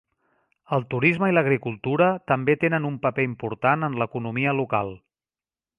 El turisme i l'agricultura també tenen un paper important en l'economia local.